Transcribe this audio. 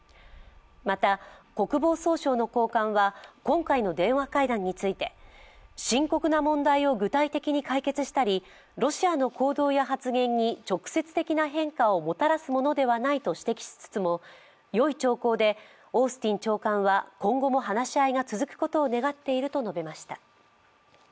また、国防総省の高官は今回の電話会談について深刻な問題を具体的に解決したりロシアの行動や発言に直接的な変化をもたらすものではないとしつつもよい兆候でオースティン長官は今後も話し合いが続くことを願っていると述べました。